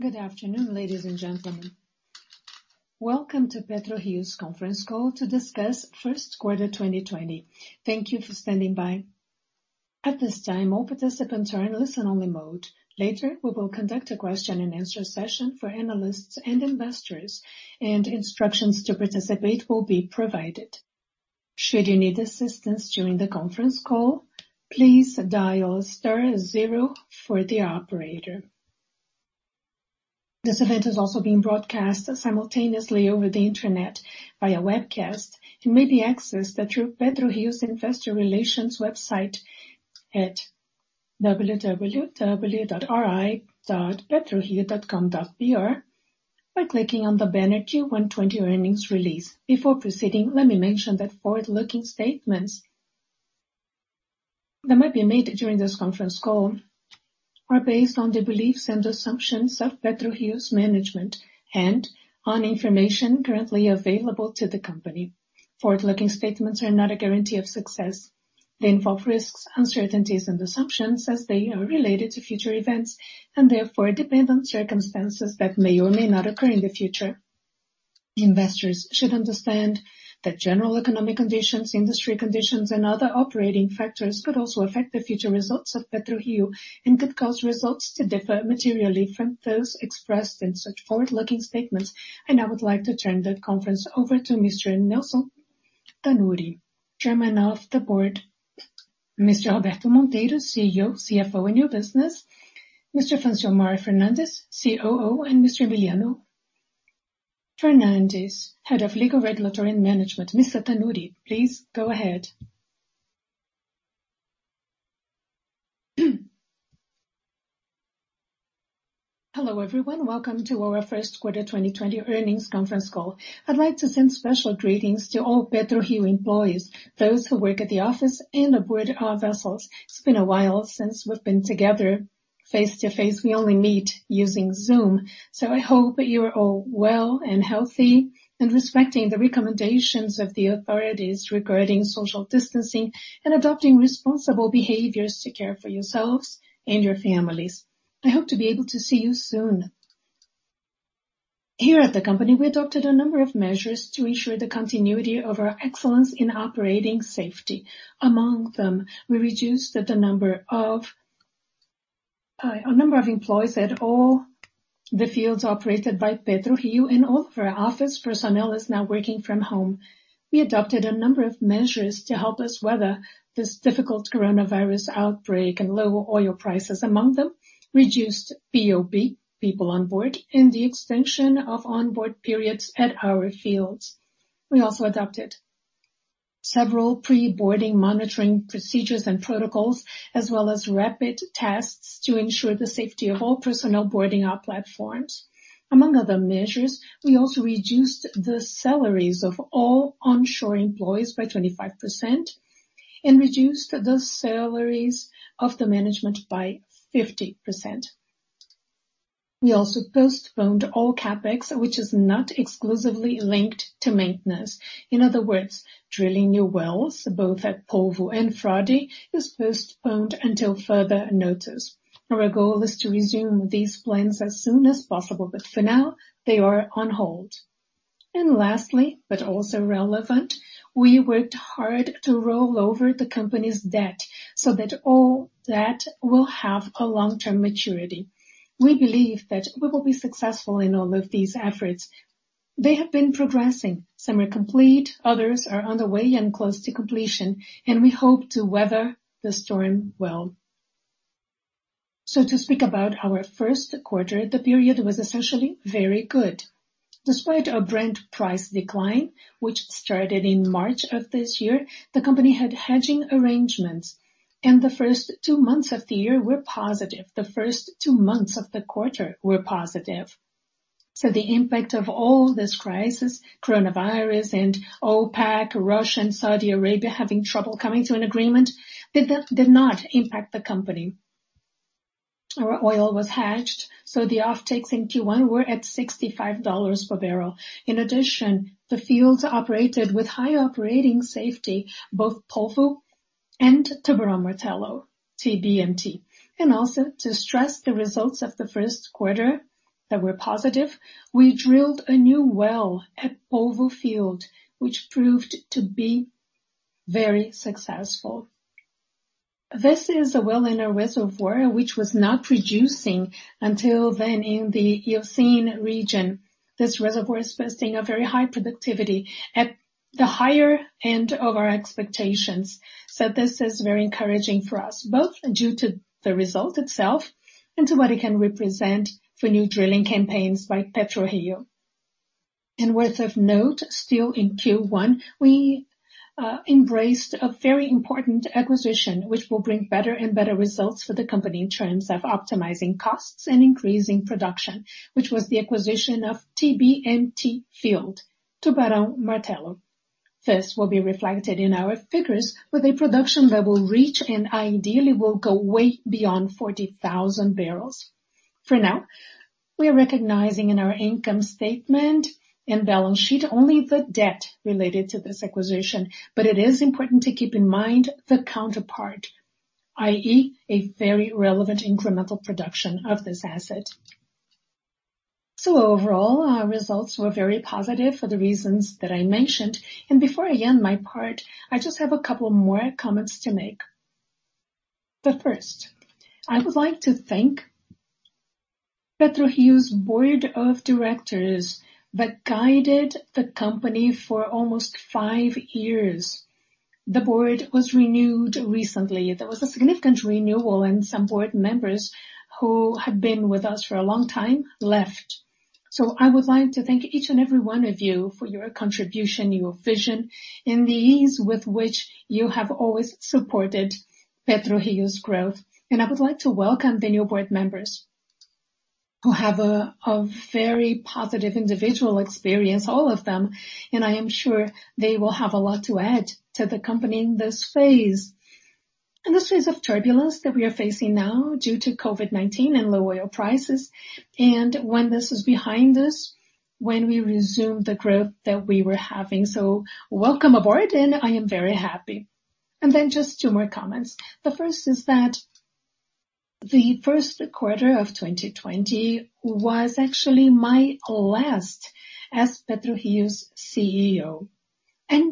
Good afternoon, ladies and gentlemen. Welcome to Prio's conference call to discuss first quarter 2020. Thank you for standing by. At this time, all participants are in listen only mode. Later, we will conduct a question and answer session for analysts and investors, and instructions to participate will be provided. Should you need assistance during the conference call, please dial star zero for the operator. This event is also being broadcast simultaneously over the internet via webcast and may be accessed at your Prio's investor relations website at www.ri.prio.com.br by clicking on the banner Q1 2020 earnings release. Before proceeding, let me mention that forward-looking statements that might be made during this conference call are based on the beliefs and assumptions of Prio's management and on information currently available to the company. Forward-looking statements are not a guarantee of success. They involve risks, uncertainties, and assumptions as they are related to future events, and therefore depend on circumstances that may or may not occur in the future. Investors should understand that general economic conditions, industry conditions, and other operating factors could also affect the future results of Prio and could cause results to differ materially from those expressed in such forward-looking statements. I would like to turn the conference over to Mr. Nelson Tanure, Chairman of the Board, Mr. Roberto Monteiro, CEO, CFO, and New Business, Mr. Francilmar Fernandes, COO, and Mr. Emiliano Fernandes, Head of Legal, Regulatory, and Management. Mr. Tanure, please go ahead. Hello, everyone. Welcome to our first quarter 2020 earnings conference call. I'd like to send special greetings to all Prio employees, those who work at the office and aboard our vessels. It's been a while since we've been together face-to-face. We only meet using Zoom. I hope you are all well and healthy and respecting the recommendations of the authorities regarding social distancing and adopting responsible behaviors to care for yourselves and your families. I hope to be able to see you soon. Here at the company, we adopted a number of measures to ensure the continuity of our excellence in operating safety. Among them, we reduced the number of employees at all the fields operated by PetroRio, and all of our office personnel is now working from home. We adopted a number of measures to help us weather this difficult coronavirus outbreak and low oil prices. Among them, reduced POB, people on board, and the extension of onboard periods at our fields. We also adopted several pre-boarding monitoring procedures and protocols, as well as rapid tests to ensure the safety of all personnel boarding our platforms. Among other measures, we also reduced the salaries of all onshore employees by 25% and reduced the salaries of the management by 50%. We also postponed all CapEx, which is not exclusively linked to maintenance. In other words, drilling new wells, both at Polvo and Frade, is postponed until further notice. Our goal is to resume these plans as soon as possible, but for now, they are on hold. Lastly, but also relevant, we worked hard to roll over the company's debt so that all that will have a long-term maturity. We believe that we will be successful in all of these efforts. They have been progressing. Some are complete, others are on the way and close to completion, and we hope to weather the storm well. To speak about our first quarter, the period was essentially very good. Despite a Brent price decline, which started in March of this year, the company had hedging arrangements, the first two months of the year were positive. The first two months of the quarter were positive. The impact of all this crisis, coronavirus and OPEC, Russia, and Saudi Arabia having trouble coming to an agreement, did not impact the company. Our oil was hedged, so the offtakes in Q1 were at $65 per barrel. In addition, the fields operated with high operating safety, both Polvo and Tubarão Martelo, TBMT. Also to stress the results of the first quarter that were positive, we drilled a new well at Polvo field, which proved to be very successful. This is a well in a reservoir which was not producing until then in the Eocene region. This reservoir is boasting a very high productivity at the higher end of our expectations. This is very encouraging for us, both due to the result itself and to what it can represent for new drilling campaigns by Prio. Worth of note, still in Q1, we embraced a very important acquisition, which will bring better and better results for the company in terms of optimizing costs and increasing production, which was the acquisition of TBMT field, Tubarão Martelo. This will be reflected in our figures with a production that will reach and ideally will go way beyond 40,000 barrels. For now, we are recognizing in our income statement and balance sheet only the debt related to this acquisition. It is important to keep in mind the counterpart, i.e., a very relevant incremental production of this asset. Overall, our results were very positive for the reasons that I mentioned. Before I end my part, I just have a couple more comments to make. The first, I would like to thank PetroRio's board of directors that guided the company for almost five years. The board was renewed recently. There was a significant renewal and some board members who had been with us for a long time left. I would like to thank each and every one of you for your contribution, your vision, and the ease with which you have always supported PetroRio's growth. I would like to welcome the new board members who have a very positive individual experience, all of them. I am sure they will have a lot to add to the company in this phase. In this phase of turbulence that we are facing now due to COVID-19 and low oil prices, and when this is behind us, when we resume the growth that we were having. Welcome aboard, and I am very happy. Just two more comments. The first is that the first quarter of 2020 was actually my last as Prio's CEO.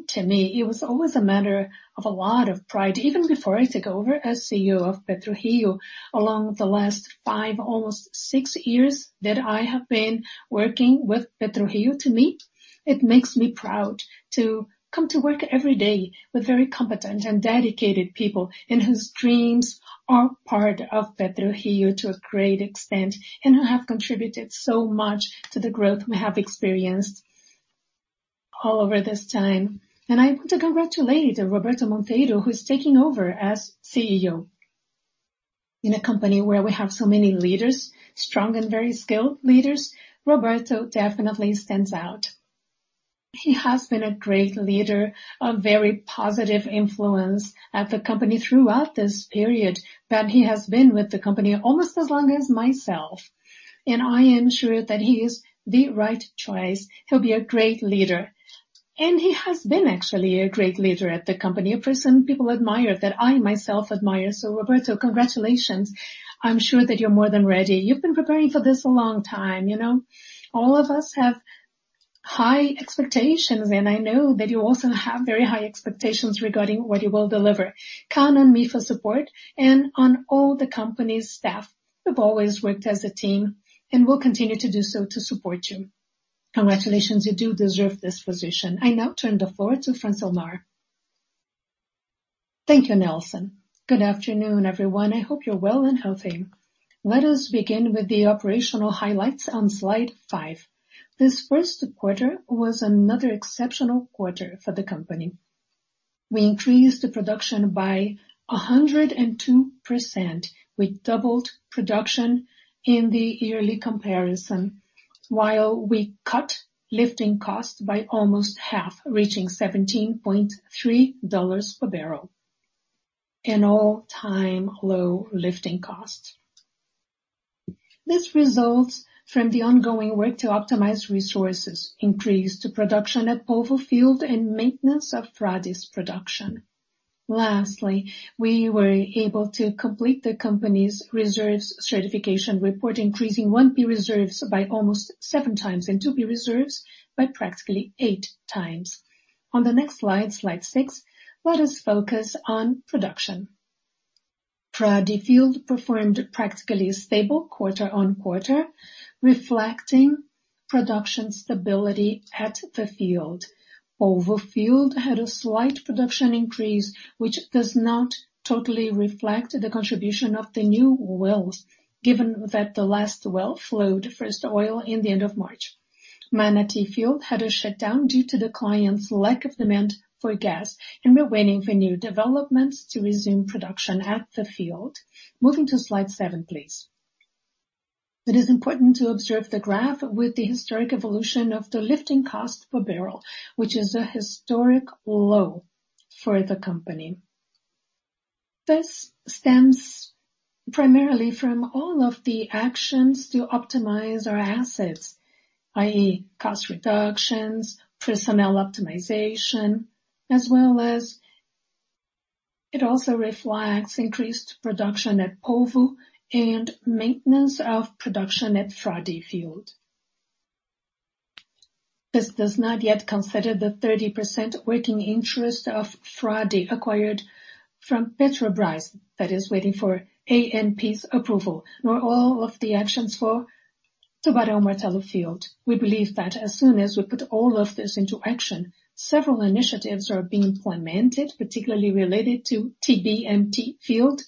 To me, it was always a matter of a lot of pride, even before I took over as CEO of Prio. Along the last five, almost six years that I have been working with Prio, to me, it makes me proud to come to work every day with very competent and dedicated people, and whose dreams are part of Prio to a great extent, and who have contributed so much to the growth we have experienced all over this time. I want to congratulate Roberto Monteiro, who is taking over as CEO. In a company where we have so many leaders, strong and very skilled leaders, Roberto definitely stands out. He has been a great leader, a very positive influence at the company throughout this period, that he has been with the company almost as long as myself, and I am sure that he is the right choice. He'll be a great leader, and he has been actually a great leader at the company, a person people admire, that I myself admire. Roberto, congratulations. I'm sure that you're more than ready. You've been preparing for this a long time. All of us have high expectations, and I know that you also have very high expectations regarding what you will deliver. Count on me for support and on all the company's staff. We've always worked as a team, and will continue to do so to support you. Congratulations, you do deserve this position. I now turn the floor to Francilmar. Thank you, Nelson. Good afternoon, everyone. I hope you're well and healthy. Let us begin with the operational highlights on slide five. This first quarter was another exceptional quarter for the company. We increased production by 102%. We doubled production in the yearly comparison, while we cut lifting costs by almost half, reaching $17.3 per barrel, an all-time low lifting cost. This results from the ongoing work to optimize resources, increase to production at Polvo field, and maintenance of Frade's production. Lastly, we were able to complete the company's reserves certification report, increasing 1P reserves by almost seven times, and 2P reserves by practically eight times. On the next slide six, let us focus on production. Frade field performed practically stable quarter-on-quarter, reflecting production stability at the field. Polvo field had a slight production increase, which does not totally reflect the contribution of the new wells, given that the last well flowed first oil in the end of March. Manati field had a shutdown due to the client's lack of demand for gas, and we're waiting for new developments to resume production at the field. Moving to slide seven, please. It is important to observe the graph with the historic evolution of the lifting cost per barrel, which is a historic low for the company. This stems primarily from all of the actions to optimize our assets, i.e., cost reductions, Prisma optimization, as well as it also reflects increased production at Polvo and maintenance of production at Frade field. This does not yet consider the 30% working interest of Frade acquired from Petrobras that is waiting for ANP's approval, nor all of the actions for Tubarão Martelo field. We believe that as soon as we put all of this into action, several initiatives are being implemented, particularly related to TBMT field,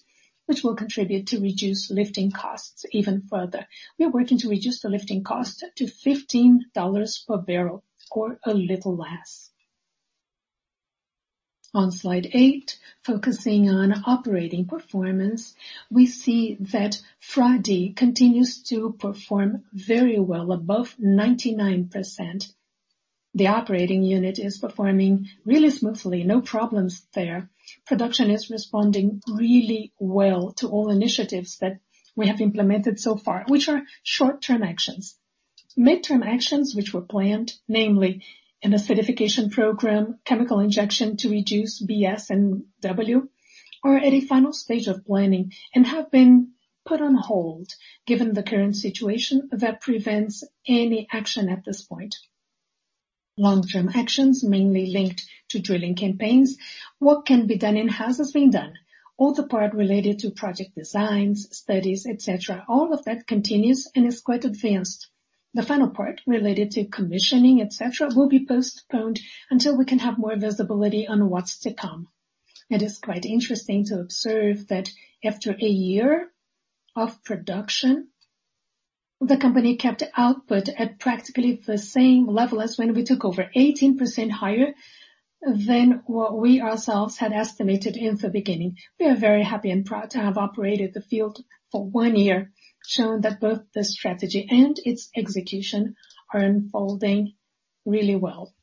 which will contribute to reduce lifting costs even further. We are working to reduce the lifting cost to $15 per barrel or a little less. On slide eight, focusing on operating performance, we see that Frade continues to perform very well, above 99%. The operating unit is performing really smoothly. No problems there. Production is responding really well to all initiatives that we have implemented so far, which are short-term actions. Midterm actions which were planned, namely an acidification program, chemical injection to reduce BS&W, are at a final stage of planning and have been put on hold given the current situation that prevents any action at this point. Long-term actions, mainly linked to drilling campaigns, what can be done in-house has been done. All the part related to project designs, studies, et cetera, all of that continues and is quite advanced. The final part related to commissioning, et cetera, will be postponed until we can have more visibility on what's to come. It is quite interesting to observe that after a year of production, the company kept output at practically the same level as when we took over 18% higher than what we ourselves had estimated in the beginning. We are very happy and proud to have operated the field for one year, showing that both the strategy and its execution are unfolding really well.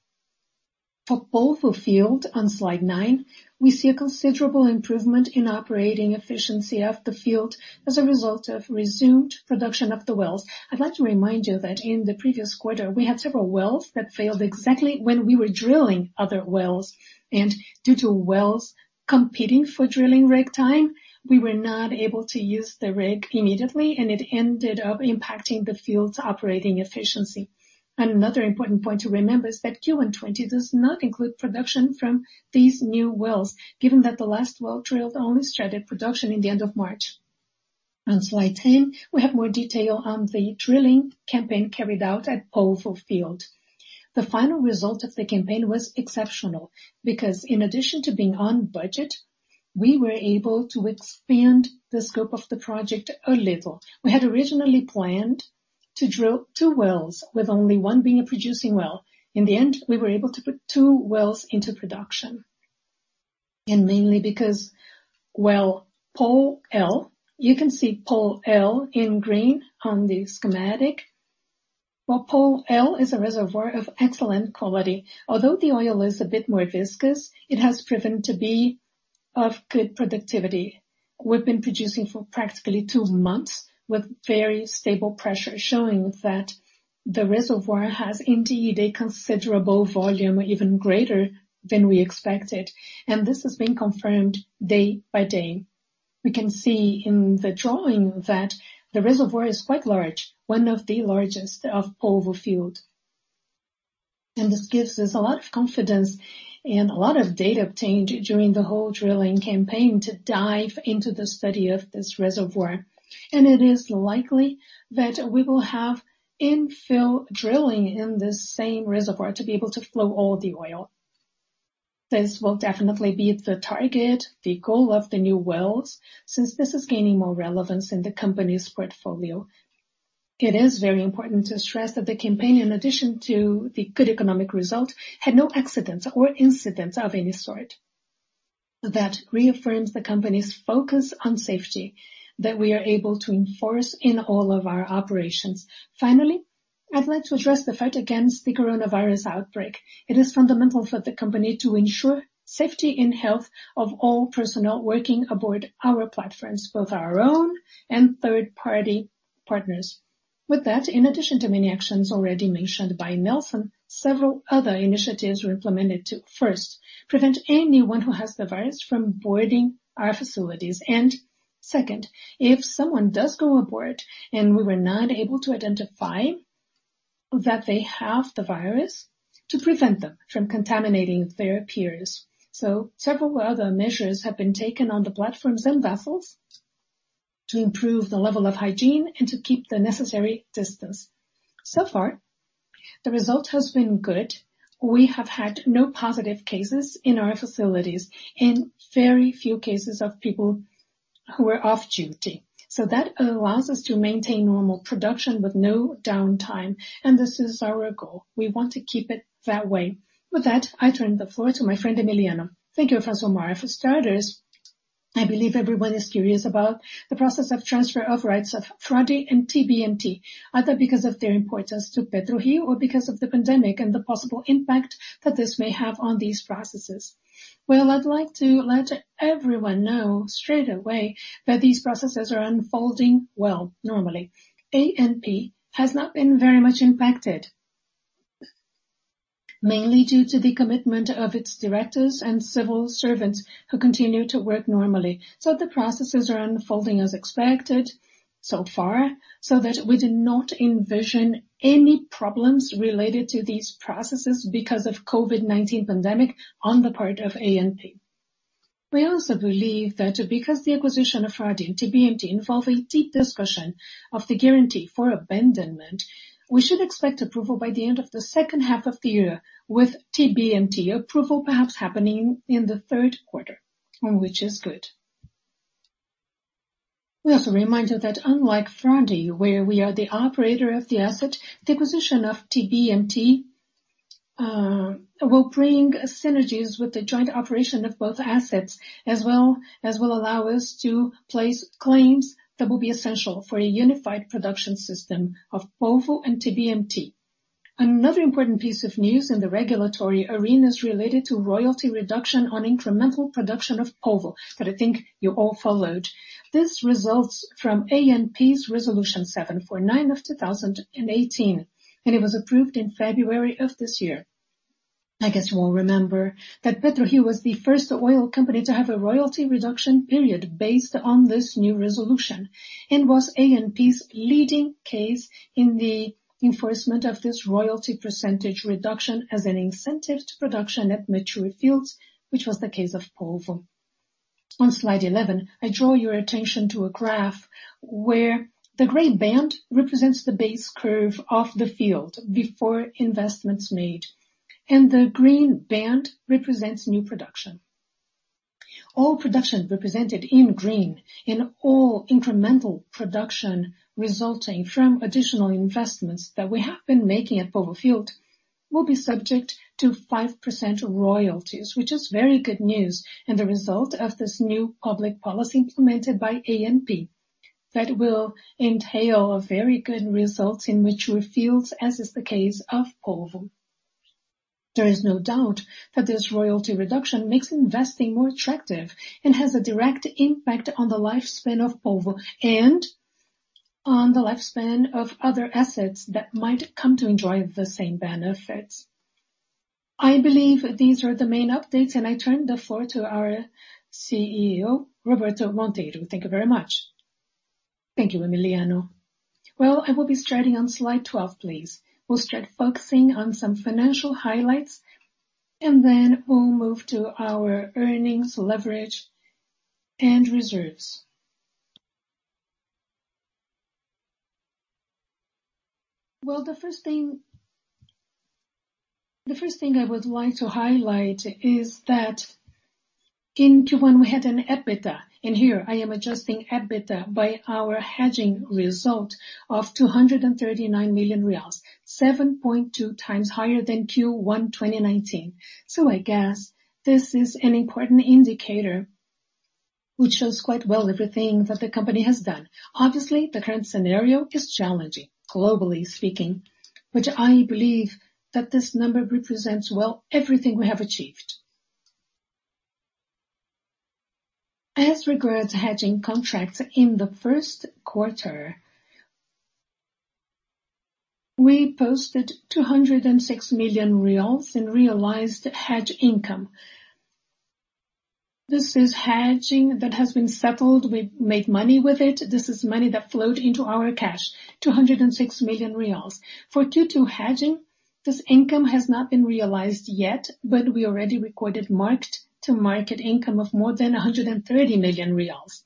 For Polvo Field on slide nine, we see a considerable improvement in operating efficiency of the field as a result of resumed production of the wells. I'd like to remind you that in the previous quarter, we had several wells that failed exactly when we were drilling other wells, and due to wells competing for drilling rig time, we were not able to use the rig immediately, and it ended up impacting the field's operating efficiency. Another important point to remember is that Q1 2020 does not include production from these new wells, given that the last well drilled only started production in the end of March. On slide 10, we have more detail on the drilling campaign carried out at Polvo Field. The final result of the campaign was exceptional, because in addition to being on budget, we were able to expand the scope of the project a little. We had originally planned to drill two wells with only one being a producing well. In the end, we were able to put two wells into production. Mainly because, well POL-L, you can see POL-L in green on the schematic. Well POL-L is a reservoir of excellent quality. Although the oil is a bit more viscous, it has proven to be of good productivity. We've been producing for practically two months with very stable pressure, showing that the reservoir has indeed a considerable volume, even greater than we expected, and this has been confirmed day by day. We can see in the drawing that the reservoir is quite large, one of the largest of Polvo Field. This gives us a lot of confidence and a lot of data obtained during the whole drilling campaign to dive into the study of this reservoir. It is likely that we will have infill drilling in this same reservoir to be able to flow all the oil. This will definitely be the target, the goal of the new wells, since this is gaining more relevance in the company's portfolio. It is very important to stress that the campaign, in addition to the good economic result, had no accidents or incidents of any sort. That reaffirms the company's focus on safety that we are able to enforce in all of our operations. Finally, I would like to address the fight against the coronavirus outbreak. It is fundamental for the company to ensure safety and health of all personnel working aboard our platforms, both our own and third-party partners. With that, in addition to many actions already mentioned by Nelson, several other initiatives were implemented to, first, prevent anyone who has the virus from boarding our facilities. Second, if someone does go aboard and we were not able to identify that they have the virus, to prevent them from contaminating their peers. Several other measures have been taken on the platforms and vessels to improve the level of hygiene and to keep the necessary distance. Far, the result has been good. We have had no positive cases in our facilities and very few cases of people who are off duty. That allows us to maintain normal production with no downtime, and this is our goal. We want to keep it that way. With that, I turn the floor to my friend Emiliano. Thank you, Francilmar Fernandes. For starters, I believe everyone is curious about the process of transfer of rights of Frade and TBMT, either because of their importance to Prio or because of the pandemic and the possible impact that this may have on these processes. Well, I'd like to let everyone know straight away that these processes are unfolding well, normally. ANP has not been very much impacted, mainly due to the commitment of its directors and civil servants who continue to work normally. The processes are unfolding as expected so far, so that we do not envision any problems related to these processes because of COVID-19 pandemic on the part of ANP. We also believe that because the acquisition of Frade and TBMT involve a deep discussion of the guarantee for abandonment, we should expect approval by the end of the second half of the year, with TBMT approval perhaps happening in the third quarter, which is good. We also remind you that unlike Frade, where we are the operator of the asset, the acquisition of TBMT will bring synergies with the joint operation of both assets, as well as will allow us to place claims that will be essential for a unified production system of Polvo and TBMT. Another important piece of news in the regulatory arena is related to royalty reduction on incremental production of Polvo, that I think you all followed. This results from ANP Resolution 749/2018, and it was approved in February of this year. I guess you all remember that Prio was the first oil company to have a royalty reduction period based on this new resolution, and was ANP's leading case in the enforcement of this royalty percentage reduction as an incentive to production at mature fields, which was the case of Polvo. On slide 11, I draw your attention to a graph where the gray band represents the base curve of the field before investments made, and the green band represents new production. All production represented in green and all incremental production resulting from additional investments that we have been making at Polvo field will be subject to 5% royalties, which is very good news and the result of this new public policy implemented by ANP that will entail very good results in mature fields, as is the case of Polvo. There is no doubt that this royalty reduction makes investing more attractive and has a direct impact on the lifespan of Polvo and on the lifespan of other assets that might come to enjoy the same benefits. I believe these are the main updates, and I turn the floor to our CEO, Roberto Monteiro. Thank you very much. Thank you, Emiliano. I will be starting on slide 12, please. We'll start focusing on some financial highlights, and then we'll move to our earnings, leverage, and reserves. The first thing I would like to highlight is that in Q1 we had an EBITDA, and here I am adjusting EBITDA by our hedging result of BRL 239 million, 7.2 times higher than Q1 2019. I guess this is an important indicator which shows quite well everything that the company has done. Obviously, the current scenario is challenging, globally speaking, but I believe that this number represents well everything we have achieved. As regards to hedging contracts in the first quarter, we posted 206 million reais in realized hedge income. This is hedging that has been settled with make money with it. This is money that flowed into our cash, BRL 206 million. For Q2 hedging, this income has not been realized yet, but we already recorded marked to market income of more than 130 million reais.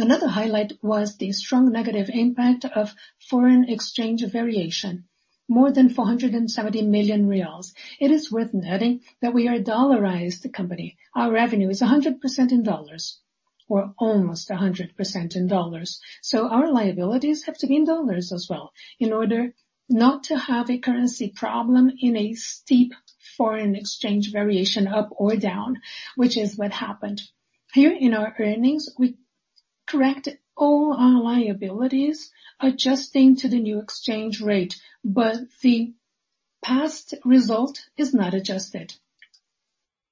Another highlight was the strong negative impact of foreign exchange variation, more than BRL 470 million. It is worth noting that we are a dollarized company. Our revenue is 100% in dollars, or almost 100% in dollars. Our liabilities have to be in dollars as well in order not to have a currency problem in a steep foreign exchange variation up or down, which is what happened. Here in our earnings, we correct all our liabilities adjusting to the new exchange rate. The past result is not adjusted,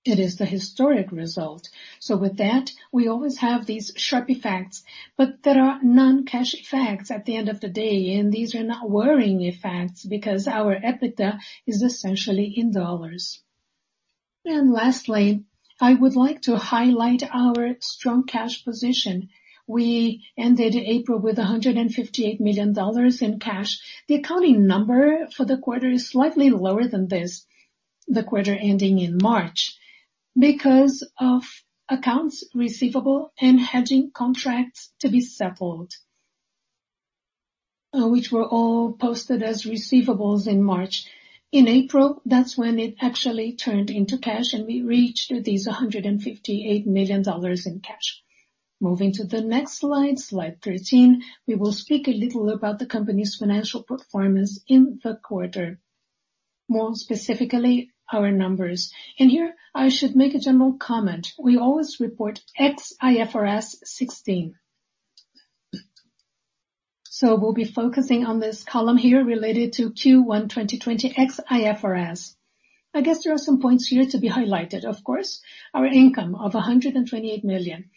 it is the historic result. With that, we always have these sharp effects. There are non-cash effects at the end of the day, and these are not worrying effects because our EBITDA is essentially in dollars. Lastly, I would like to highlight our strong cash position. We ended April with $158 million in cash. The accounting number for the quarter is slightly lower than this, the quarter ending in March, because of accounts receivable and hedging contracts to be settled, which were all posted as receivables in March. In April, that's when it actually turned into cash, and we reached these $158 million in cash. Moving to the next slide 13, we will speak a little about the company's financial performance in the quarter, more specifically, our numbers. Here I should make a general comment. We always report ex IFRS 16. We'll be focusing on this column here related to Q1 2020 ex IFRS. I guess there are some points here to be highlighted, of course. Our income of 128 million.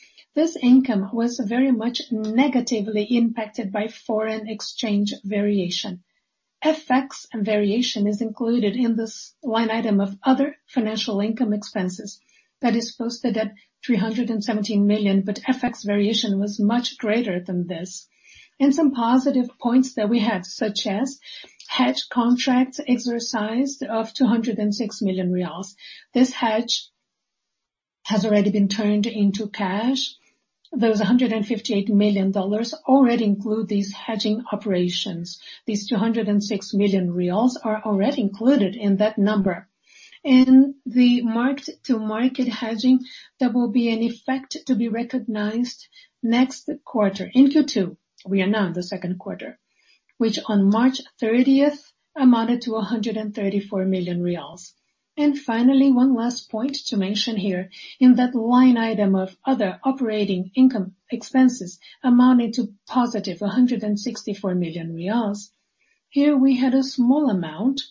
This income was very much negatively impacted by foreign exchange variation. FX variation is included in this line item of other financial income expenses that is posted at 317 million, but FX variation was much greater than this. Some positive points that we have, such as hedge contracts exercised of BRL 206 million. This hedge has already been turned into cash. Those $158 million already include these hedging operations. These BRL 206 million are already included in that number. The marked to market hedging, there will be an effect to be recognized next quarter. In Q2, we are now in the second quarter, which on March 30th amounted to 134 million reais. Finally, one last point to mention here. In that line item of other operating income expenses amounting to positive 164 million reais. Here we had a small amount,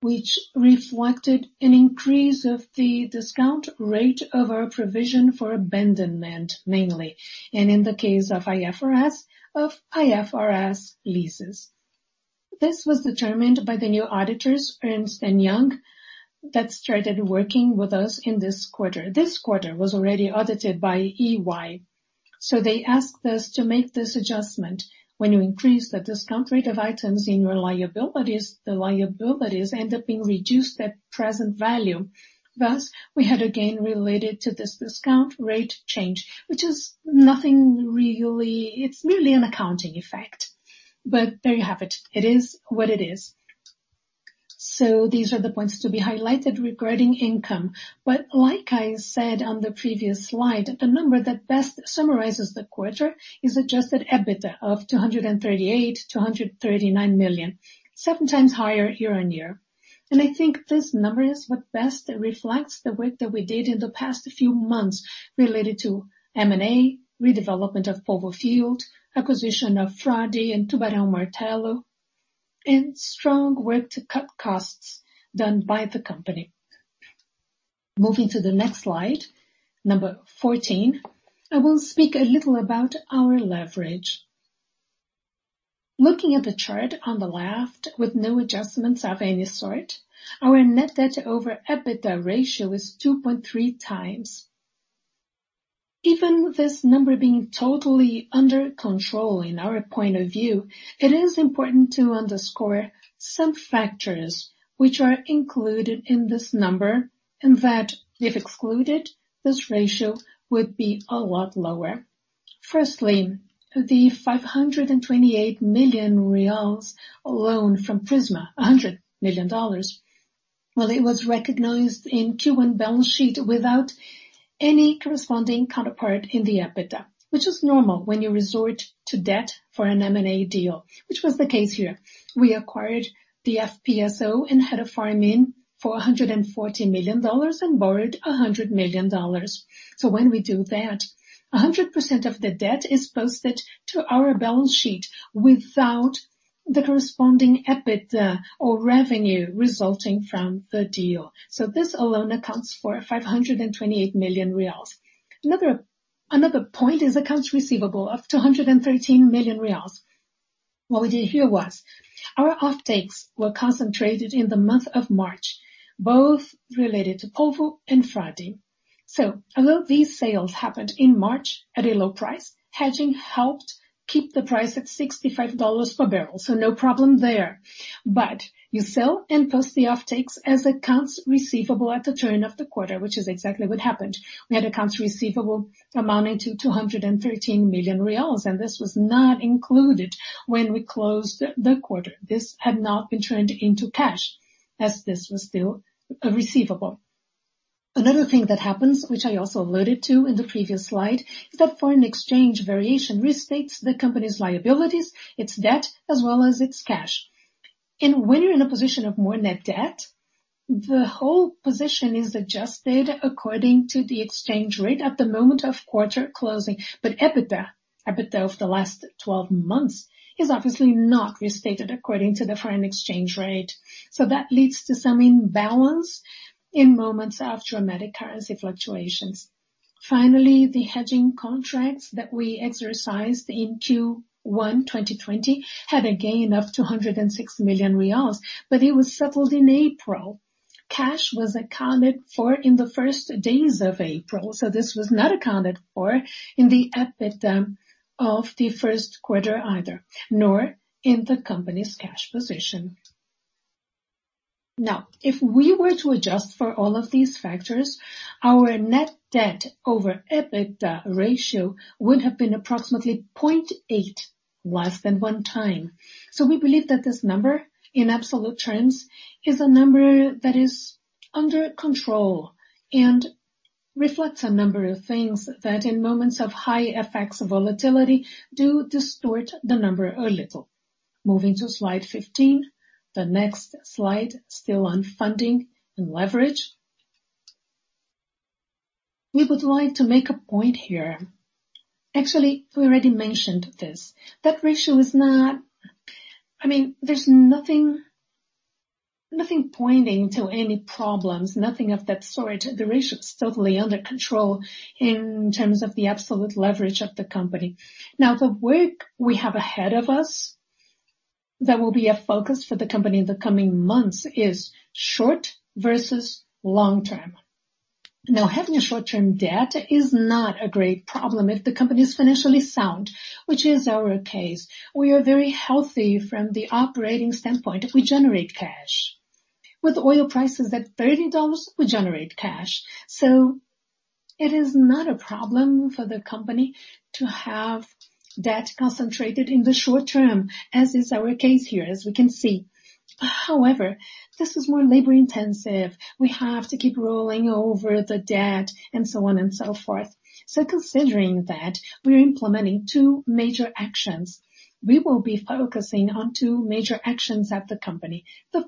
which reflected an increase of the discount rate over our provision for abandonment, mainly, and in the case of IFRS leases. This was determined by the new auditors, Ernst & Young, that started working with us in this quarter. This quarter was already audited by EY. They asked us to make this adjustment. When you increase the discount rate of items in your liabilities, the liabilities end up being reduced at present value. Thus, we had a gain related to this discount rate change, which is nothing really. It's merely an accounting effect, but there you have it. It is what it is. These are the points to be highlighted regarding income. Like I said on the previous slide, the number that best summarizes the quarter is adjusted EBITDA of 238 million-239 million, seven times higher year-on-year. I think this number is what best reflects the work that we did in the past few months related to M&A, redevelopment of Polvo field, acquisition of Frade and Tubarão Martelo, and strong work to cut costs done by the company. Moving to the next slide, number 14, I will speak a little about our leverage. Looking at the chart on the left with no adjustments of any sort, our net debt over EBITDA ratio is 2.3 times. Even this number being totally under control in our point of view, it is important to underscore some factors which are included in this number and that if excluded, this ratio would be a lot lower. Firstly, the 528 million reais loan from Prisma, $100 million. Well, it was recognized in Q1 balance sheet without any corresponding counterpart in the EBITDA, which is normal when you resort to debt for an M&A deal, which was the case here. We acquired the FPSO and had a farm-in for $140 million and borrowed $100 million. When we do that, 100% of the debt is posted to our balance sheet without the corresponding EBITDA or revenue resulting from the deal. This alone accounts for 528 million reais. Another point is accounts receivable of 213 million reais. What we did here was our offtakes were concentrated in the month of March, both related to Polvo and Frade. Although these sales happened in March at a low price, hedging helped keep the price at $65 per barrel. No problem there. You sell and post the offtakes as accounts receivable at the turn of the quarter, which is exactly what happened. We had accounts receivable amounting to 213 million reais, and this was not included when we closed the quarter. This had not been turned into cash as this was still a receivable. Another thing that happens, which I also alluded to in the previous slide, is that foreign exchange variation restates the company's liabilities, its debt, as well as its cash. When you're in a position of more net debt, the whole position is adjusted according to the exchange rate at the moment of quarter closing, but EBITDA of the last 12 months is obviously not restated according to the foreign exchange rate. That leads to some imbalance in moments of dramatic currency fluctuations. Finally, the hedging contracts that we exercised in Q1 2020 had a gain of BRL 206 million, but it was settled in April. Cash was accounted for in the first days of April, so this was not accounted for in the EBITDA of the first quarter either, nor in the company's cash position. Now, if we were to adjust for all of these factors, our net debt over EBITDA ratio would have been approximately 0.8 less than one time. We believe that this number, in absolute terms, is a number that is under control and reflects a number of things that in moments of high effects of volatility, do distort the number a little. Moving to slide 15, the next slide, still on funding and leverage. We would like to make a point here. Actually, we already mentioned this. That ratio is not. There's nothing pointing to any problems, nothing of that sort. The ratio is totally under control in terms of the absolute leverage of the company. The work we have ahead of us that will be a focus for the company in the coming months is short versus long term. Having a short-term debt is not a great problem if the company is financially sound, which is our case. We are very healthy from the operating standpoint. We generate cash. With oil prices at $30, we generate cash. It is not a problem for the company to have debt concentrated in the short term, as is our case here, as we can see. However, this is more labor-intensive. We have to keep rolling over the debt and so on and so forth. Considering that, we're implementing two major actions. We will be focusing on two major actions at the company. The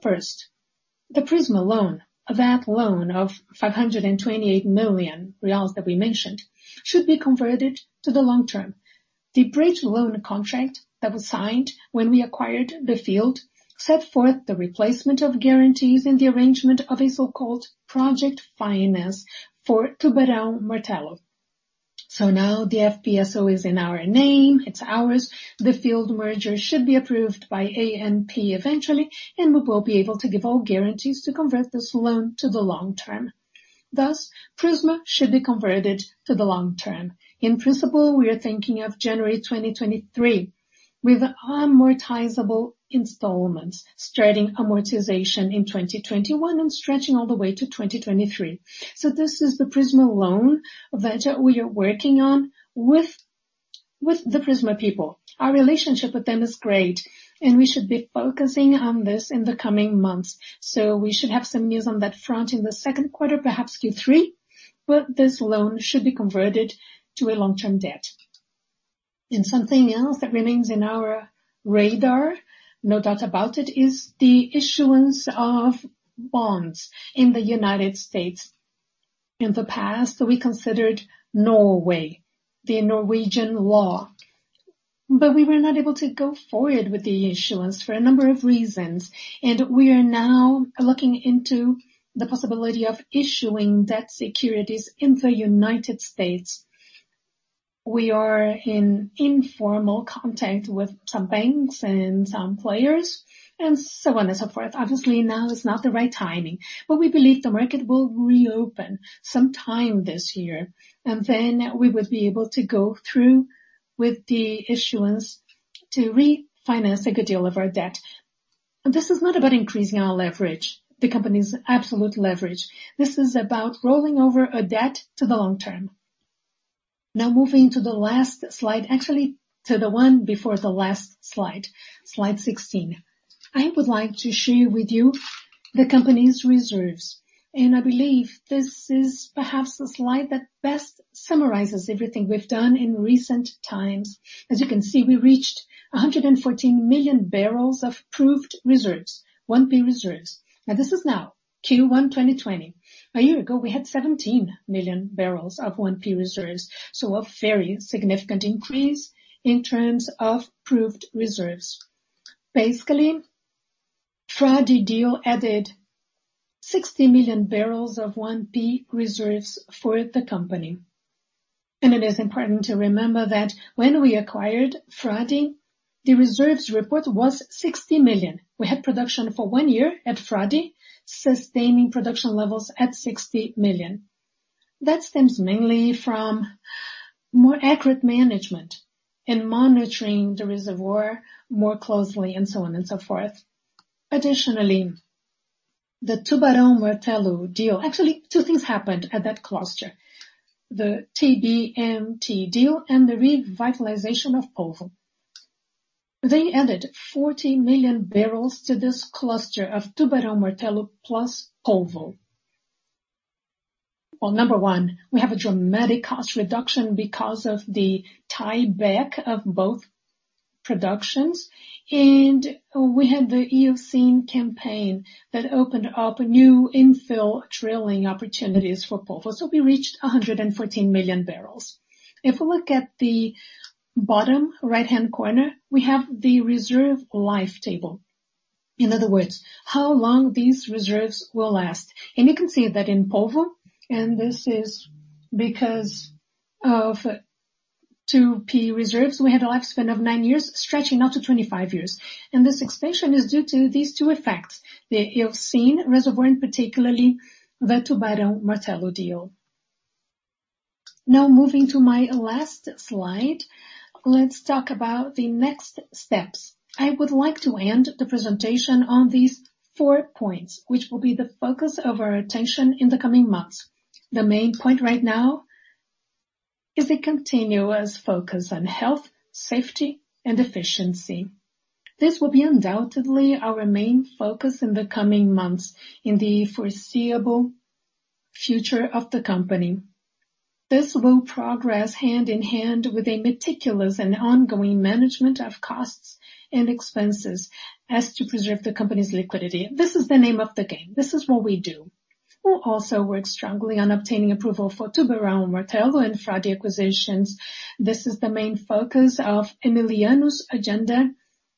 Prisma loan, that loan of 528 million reais that we mentioned, should be converted to the long term. The bridge loan contract that was signed when we acquired the field set forth the replacement of guarantees in the arrangement of a so-called project finance for Tubarão Martelo. Now the FPSO is in our name, it's ours. The field merger should be approved by ANP eventually, and we will be able to give all guarantees to convert this loan to the long term. Prisma should be converted to the long term. In principle, we are thinking of January 2023, with amortizable installments starting amortization in 2021 and stretching all the way to 2023. This is the Prisma loan that we are working on with the Prisma people. Our relationship with them is great, and we should be focusing on this in the coming months. We should have some news on that front in the second quarter, perhaps Q3, but this loan should be converted to a long-term debt. Something else that remains on our radar, no doubt about it, is the issuance of bonds in the United States. In the past, we considered Norway, the Norwegian law. We were not able to go forward with the issuance for a number of reasons. We are now looking into the possibility of issuing debt securities in the United States. We are in informal contact with some banks and some players, and so on and so forth. Obviously, now is not the right timing. We believe the market will reopen sometime this year. Then we would be able to go through with the issuance to refinance a good deal of our debt. This is not about increasing our leverage, the company's absolute leverage. This is about rolling over a debt to the long term. Moving to the last slide, actually, to the one before the last slide 16. I would like to share with you the company's reserves, and I believe this is perhaps the slide that best summarizes everything we've done in recent times. As you can see, we reached 114 million barrels of proved reserves, 1P reserves. Now, this is now Q1 2020. A year ago, we had 17 million barrels of 1P reserves, so a very significant increase in terms of proved reserves. Basically, Frade deal added 60 million barrels of 1P reserves for the company. It is important to remember that when we acquired Frade, the reserves report was 60 million. We had production for one year at Frade, sustaining production levels at 60 million. That stems mainly from more accurate management and monitoring the reservoir more closely and so on and so forth. Additionally, the Tubarão Martelo deal. Actually, two things happened at that cluster, the TBMT deal and the revitalization of Polvo. They added 40 million barrels to this cluster of Tubarão Martelo plus Polvo. Well, number one, we have a dramatic cost reduction because of the tieback of both productions, and we had the Eocene campaign that opened up new infill drilling opportunities for Polvo. We reached 114 million barrels. If we look at the bottom right-hand corner, we have the reserve life table. In other words, how long these reserves will last. You can see that in Polvo, and this is because of 2P reserves, we had a lifespan of nine years, stretching out to 25 years. This expansion is due to these two effects, the Eocene reservoir, and particularly the Tubarão Martelo deal. Now, moving to my last slide, let's talk about the next steps. I would like to end the presentation on these four points, which will be the focus of our attention in the coming months. The main point right now is a continuous focus on health, safety, and efficiency. This will be undoubtedly our main focus in the coming months in the foreseeable future of the company. This will progress hand in hand with a meticulous and ongoing management of costs and expenses as to preserve the company's liquidity. This is the name of the game. This is what we do. We'll also work strongly on obtaining approval for Tubarão Martelo and Frade acquisitions. This is the main focus of Emiliano's agenda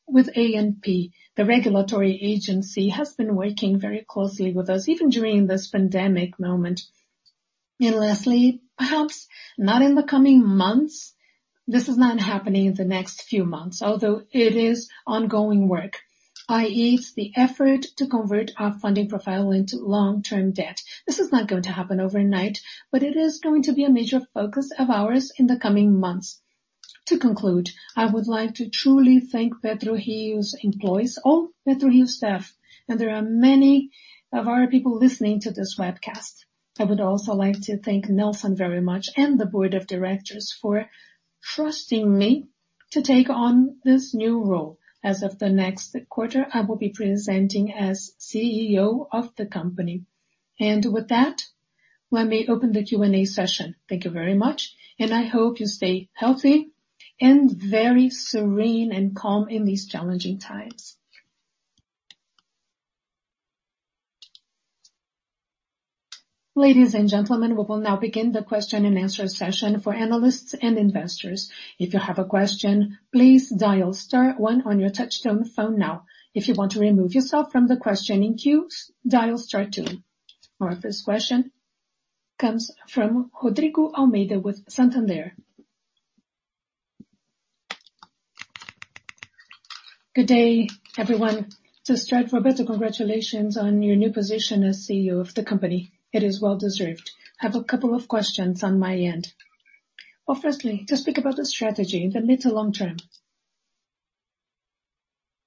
with ANP. The regulatory agency has been working very closely with us, even during this pandemic moment. Lastly, perhaps not in the coming months, this is not happening in the next few months, although it is ongoing work. I.e., the effort to convert our funding profile into long-term debt. This is not going to happen overnight, but it is going to be a major focus of ours in the coming months. To conclude, I would like to truly thank Prio's employees, all Prio staff, and there are many of our people listening to this webcast. I would also like to thank Nelson very much and the board of directors for trusting me to take on this new role. As of the next quarter, I will be presenting as CEO of the company. With that, let me open the Q&A session. Thank you very much, and I hope you stay healthy and very serene and calm in these challenging times. Ladies and gentlemen, we will now begin the question and answer session for analysts and investors. If you have a question, please dial star one on your touchtone phone now. If you want to remove yourself from the questioning queue, dial star two. Our first question comes from Rodrigo Almeida with Santander. Good day, everyone. Roberto Monteiro, congratulations on your new position as CEO of the company. It is well-deserved. I have a couple of questions on my end. Well, firstly, to speak about the strategy in the mid to long term.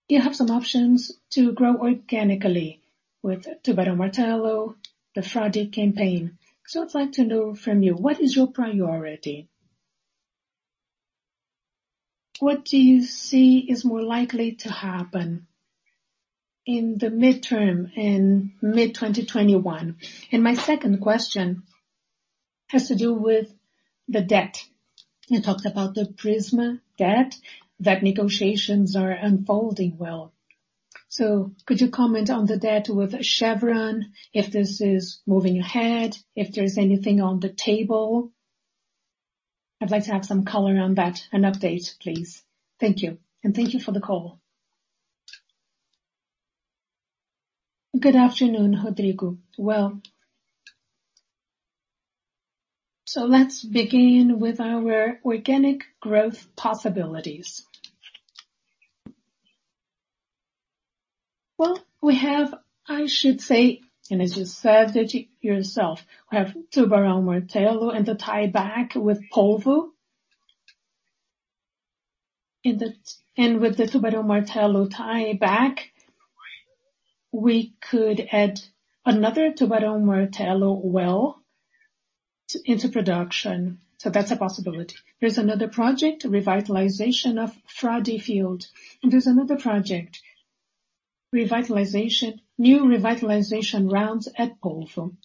You have some options to grow organically with Tubarão Martelo, the Frade campaign. I'd like to know from you, what is your priority? What do you see is more likely to happen in the midterm, in mid-2021? My second question has to do with the debt. You talked about the Prisma debt, that negotiations are unfolding well. Could you comment on the debt with Chevron, if this is moving ahead, if there's anything on the table? I'd like to have some color on that. An update, please. Thank you. Thank you for the call. Good afternoon, Rodrigo. Let's begin with our organic growth possibilities. We have, I should say, and as you said it yourself, we have Tubarão Martelo and the tieback with Polvo. With the Tubarão Martelo tieback, we could add another Tubarão Martelo well into production. That's a possibility. There's another project, revitalization of Frade field. There's another project, new revitalization rounds at Polvo.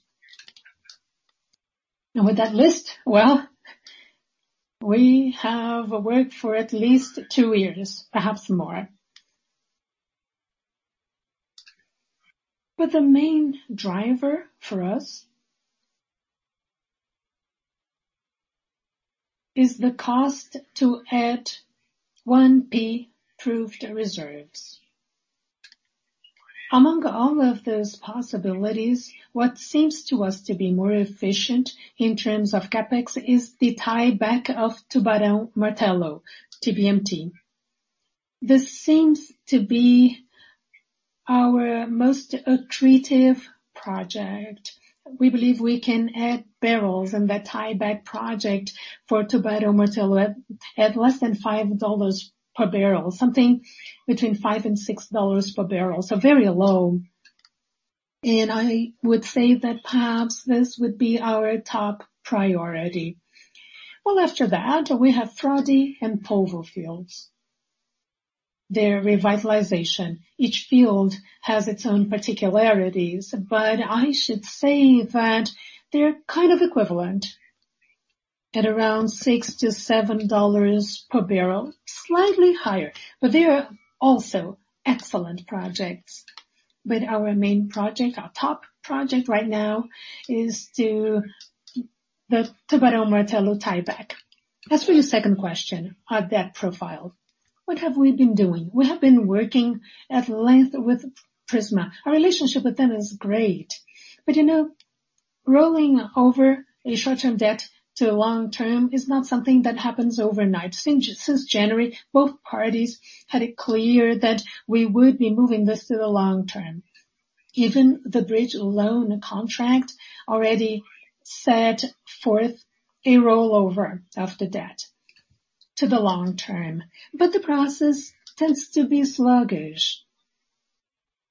With that list, we have work for at least two years, perhaps more. The main driver for us is the cost to add 1P proved reserves. Among all of those possibilities, what seems to us to be more efficient in terms of CapEx is the tieback of Tubarão Martelo, TBMT. This seems to be our most attractive project. We believe we can add barrels in that tieback project for Tubarão Martelo at less than $5 per barrel, something between $5 and $6 per barrel. Very low. I would say that perhaps this would be our top priority. Well, after that, we have Frade and Polvo fields, their revitalization. Each field has its own particularities, but I should say that they're kind of equivalent at around $6 to $7 per barrel, slightly higher. They are also excellent projects. Our main project, our top project right now is the Tubarão Martelo tieback. As for your second question, our debt profile. What have we been doing? We have been working at length with Prisma. Our relationship with them is great. Rolling over a short-term debt to long term is not something that happens overnight. Since January, both parties had it clear that we would be moving this to the long term. Even the bridge loan contract already set forth a rollover of the debt to the long term. The process tends to be sluggish.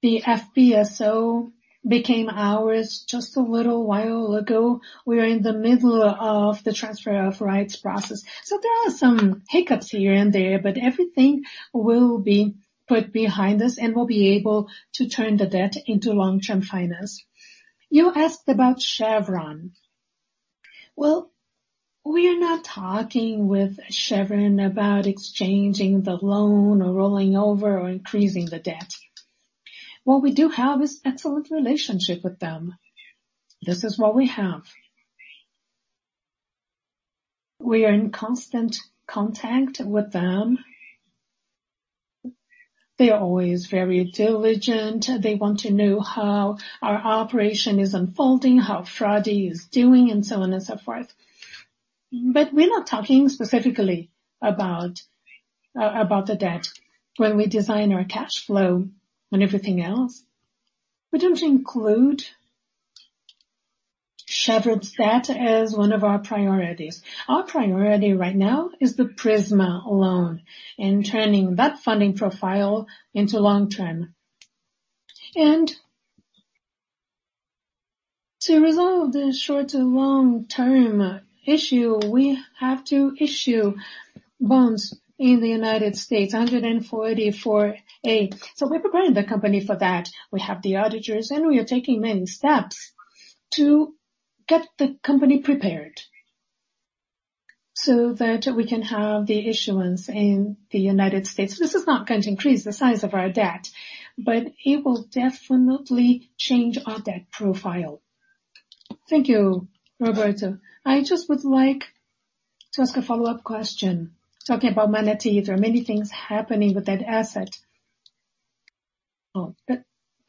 The FPSO became ours just a little while ago. We are in the middle of the transfer of rights process. There are some hiccups here and there, but everything will be put behind us, and we'll be able to turn the debt into long-term finance. You asked about Chevron. Well, we are not talking with Chevron about exchanging the loan or rolling over or increasing the debt. What we do have is excellent relationship with them. This is what we have. We are in constant contact with them. They are always very diligent. They want to know how our operation is unfolding, how Frade is doing, and so on and so forth. We're not talking specifically about the debt. When we design our cash flow and everything else, we don't include Chevron's debt as one of our priorities. Our priority right now is the Prisma loan and turning that funding profile into long term. To resolve the short to long term issue, we have to issue bonds in the U.S., Rule 144A. We're preparing the company for that. We have the auditors, and we are taking many steps to get the company prepared so that we can have the issuance in the U.S. This is not going to increase the size of our debt, but it will definitely change our debt profile. Thank you, Roberto. I just would like to ask a follow-up question. Talking about Manati, there are many things happening with that asset.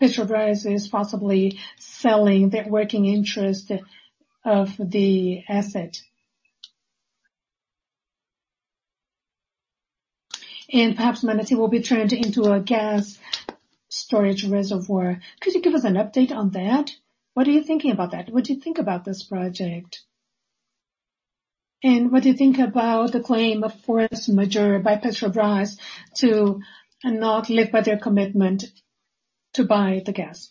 Petrobras is possibly selling their working interest of the asset. Perhaps Manati will be turned into a gas storage reservoir. Could you give us an update on that? What are you thinking about that? What do you think about this project? What do you think about the claim of force majeure by Petrobras to not live by their commitment to buy the gas?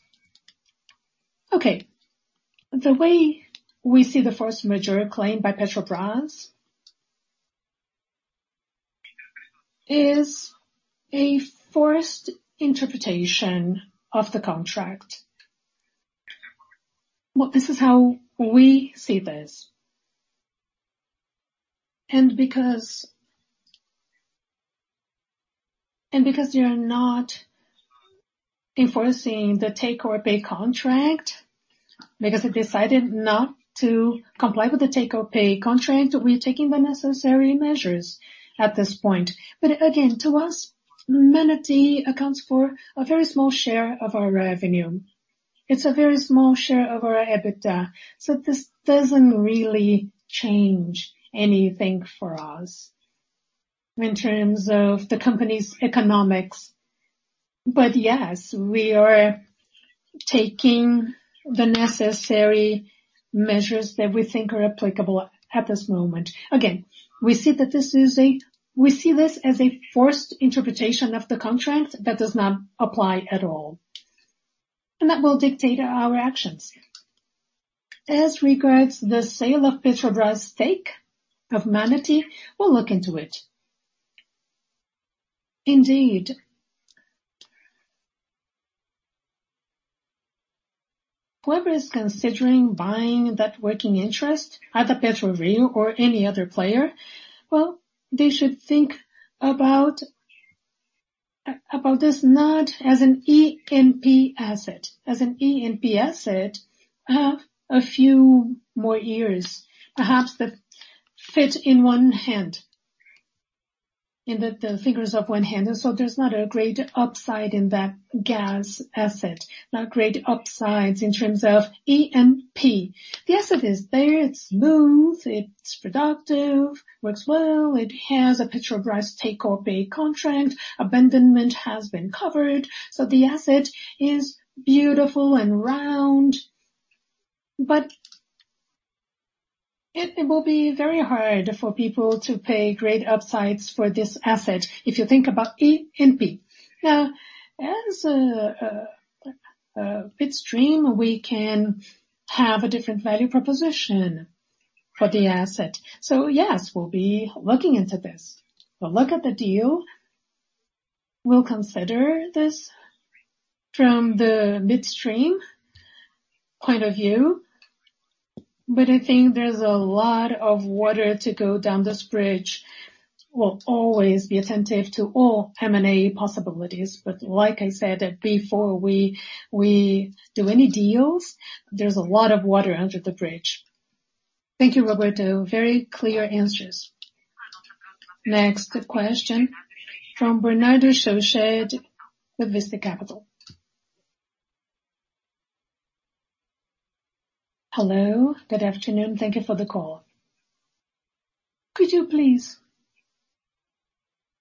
Okay. The way we see the force majeure claim by Petrobras is a forced interpretation of the contract. This is how we see this. Because they are not enforcing the take-or-pay contract, because they decided not to comply with the take-or-pay contract, we're taking the necessary measures at this point. Again, to us, Manati accounts for a very small share of our revenue. It's a very small share of our EBITDA. This doesn't really change anything for us in terms of the company's economics. Yes, we are taking the necessary measures that we think are applicable at this moment. Again, we see this as a forced interpretation of the contract that does not apply at all, and that will dictate our actions. As regards the sale of Petrobras' stake of Manati, we'll look into it. Indeed. Whoever is considering buying that working interest, either Prio or any other player, well, they should think about this not as an E&P asset. As an E&P asset, a few more years, perhaps that fit in one hand, in the fingers of one hand. There's not a great upside in that gas asset, not great upsides in terms of E&P. The asset is there, it's smooth, it's productive, works well. It has a Petrobras take-or-pay contract. Abandonment has been covered. The asset is beautiful and round, but it will be very hard for people to pay great upsides for this asset if you think about E&P. Now, as a midstream, we can have a different value proposition for the asset. Yes, we'll be looking into this. We'll look at the deal. We'll consider this from the midstream point of view, but I think there's a lot of water to go down this bridge. We'll always be attentive to all M&A possibilities. Like I said, before we do any deals, there's a lot of water under the bridge. Thank you, Roberto. Very clear answers. Next question from Bernardo Soched with Vista Capital. Hello. Good afternoon. Thank you for the call. Could you please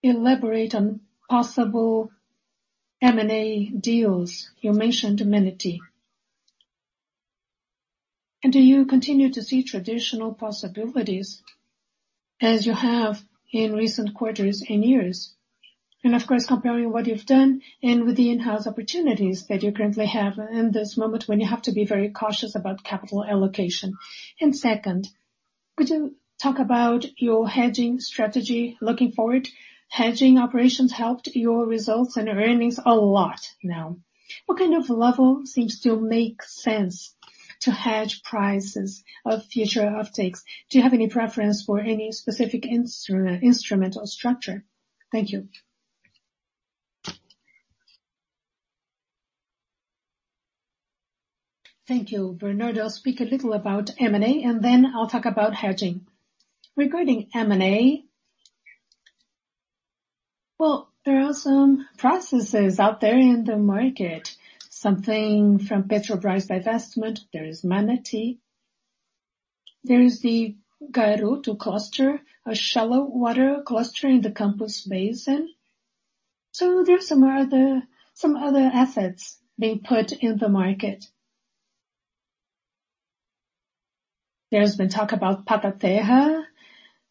elaborate on possible M&A deals? You mentioned Manati. Do you continue to see traditional possibilities as you have in recent quarters and years? Of course, comparing what you've done and with the in-house opportunities that you currently have in this moment when you have to be very cautious about capital allocation. Second, could you talk about your hedging strategy looking forward? Hedging operations helped your results and earnings a lot now. What kind of level seems to make sense to hedge prices of future offtakes? Do you have any preference for any specific instrumental structure? Thank you. Thank you, Bernardo. I'll speak a little about M&A, and then I'll talk about hedging. Regarding M&A, well, there are some processes out there in the market. Something from Petrobras divestment. There is Manati. There is the Garoupa cluster, a shallow water cluster in the Campos Basin. There's some other assets being put in the market. There's been talk about Papa-Terra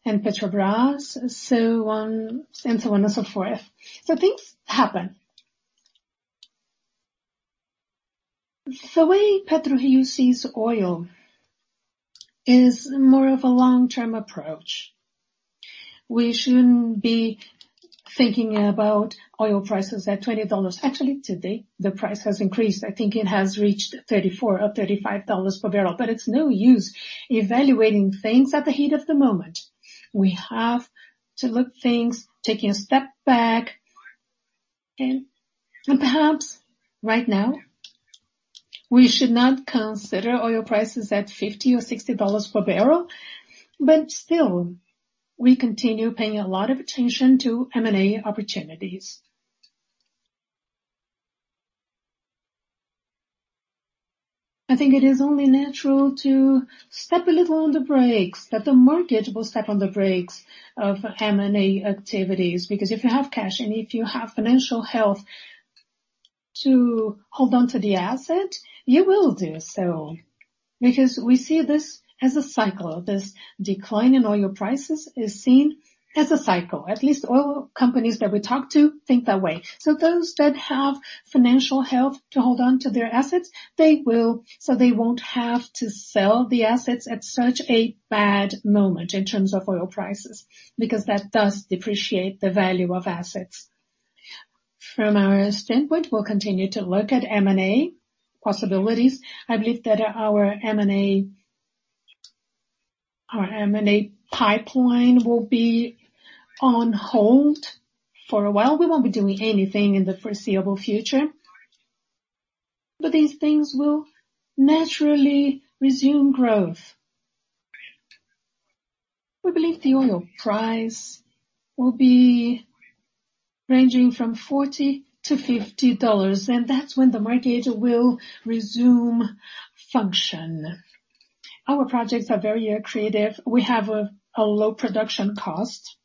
and Petrobras, and so on and so forth. Things happen. The way PetroRio sees oil is more of a long-term approach. We shouldn't be thinking about oil prices at $20. Actually, today, the price has increased. I think it has reached $34 or $35 per barrel. It's no use evaluating things at the heat of the moment. We have to look at things taking a step back, and perhaps right now, we should not consider oil prices at $50 or $60 per barrel. Still, we continue paying a lot of attention to M&A opportunities. I think it is only natural to step a little on the brakes, that the market will step on the brakes of M&A activities, because if you have cash and if you have financial health to hold on to the asset, you will do so. We see this as a cycle. This decline in oil prices is seen as a cycle. At least oil companies that we talk to think that way. Those that have financial health to hold on to their assets, they will, so they won't have to sell the assets at such a bad moment in terms of oil prices, because that does depreciate the value of assets. From our standpoint, we'll continue to look at M&A possibilities. I believe that our M&A pipeline will be on hold for a while. We won't be doing anything in the foreseeable future. These things will naturally resume growth. We believe the oil price will be ranging from $40-$50, and that's when the market will resume function. Our projects are very accretive. We have a low production cost,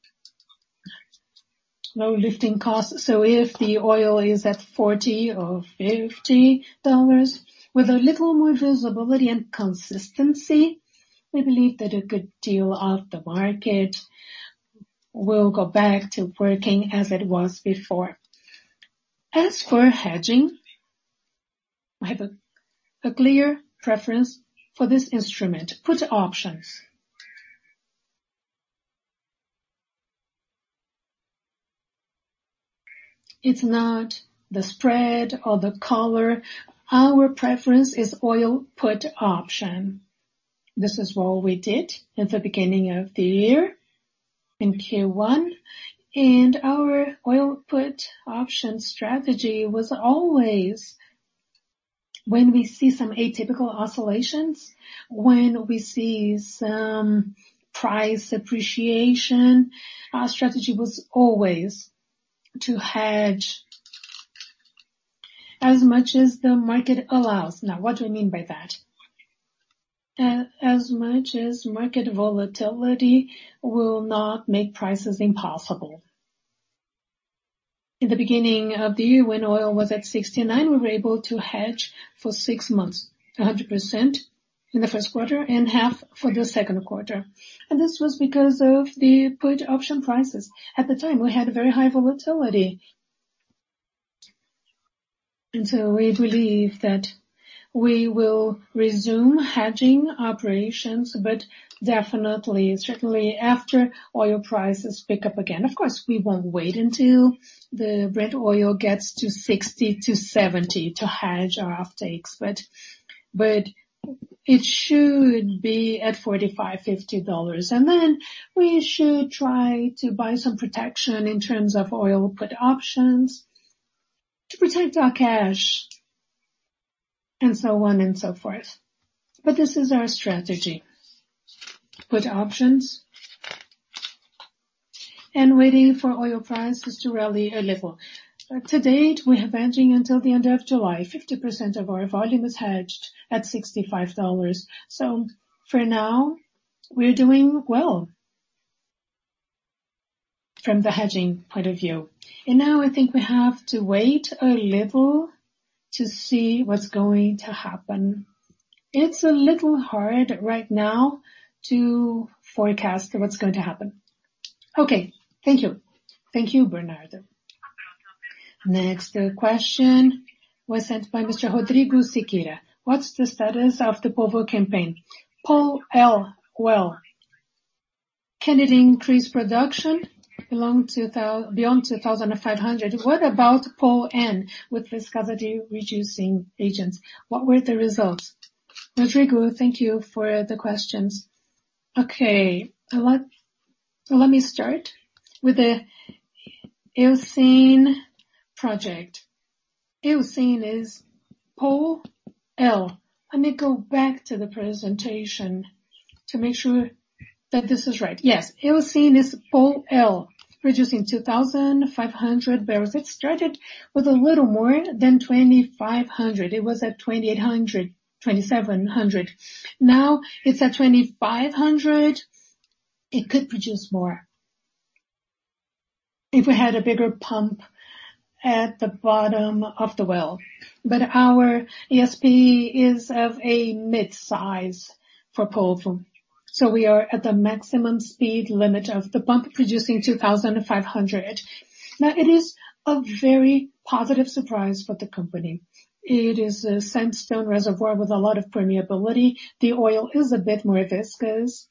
low lifting cost. If the oil is at $40 or $50, with a little more visibility and consistency, we believe that a good deal of the market will go back to working as it was before. As for hedging, I have a clear preference for this instrument, put options. It's not the spread or the color. Our preference is oil put option. This is what we did at the beginning of the year in Q1. Our oil put option strategy was always when we see some atypical oscillations, when we see some price appreciation, our strategy was always to hedge as much as the market allows. What do I mean by that? As much as market volatility will not make prices impossible. In the beginning of the year, when oil was at $69, we were able to hedge for six months, 100% in the first quarter and half for the second quarter. This was because of the put option prices. At the time, we had very high volatility. We believe that we will resume hedging operations, but definitely, certainly after oil prices pick up again. Of course, we won't wait until the Brent oil gets to $60-$70 to hedge our offtakes, but it should be at $45, $50. We should try to buy some protection in terms of oil put options to protect our cash, and so on and so forth. This is our strategy, put options and waiting for oil prices to rally a little. To date, we have hedging until the end of July. 50% of our volume is hedged at $65. For now, we're doing well from the hedging point of view. Now I think we have to wait a little to see what's going to happen. It's a little hard right now to forecast what's going to happen. Okay. Thank you. Thank you, Bernardo. Next question was sent by Mr. Rodrigo Siqueira. What's the status of the Polvo campaign? POL-L Well, can it increase production beyond 2,500? What about Pol N with viscosity reducing agents? What were the results? Rodrigo, thank you for the questions. Okay. Let me start with the Eocene project. Eocene is POL-L. Let me go back to the presentation to make sure that this is right. Yes. Eocene is POL-L, producing 2,500 barrels. It started with a little more than 2,500. It was at 2,800, 2,700. Now it's at 2,500. It could produce more if we had a bigger pump at the bottom of the well. Our ESP is of a mid-size for Polvo. We are at the maximum speed limit of the pump producing 2,500. It is a very positive surprise for the company. It is a sandstone reservoir with a lot of permeability. The oil is a bit more viscous,